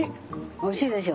おいしいでしょ。